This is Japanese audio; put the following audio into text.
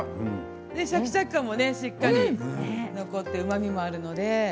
シャキシャキ感もしっかり残ってうまみがあるので。